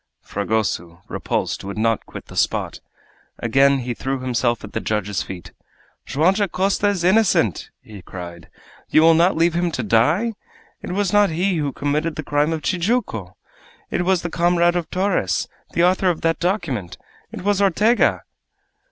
Fragoso, repulsed, would not quit the spot. Again he threw himself at the judge's feet. "Joam Dacosta is innocent!" he cried; "you will not leave him to die? It was not he who committed the crime of Tijuco; it was the comrade of Torres, the author of that document! It was Ortega!"